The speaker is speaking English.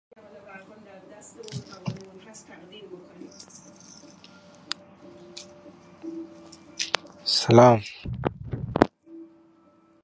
Discourses are embedded in different rhetorical genres and metagenres that constrain and enable them.